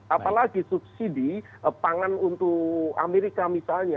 apalagi subsidi pangan untuk amerika misalnya